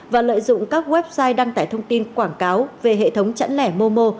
và lợi dụng các website đăng tải thông tin quảng cáo về hệ thống chẵn lẻmomo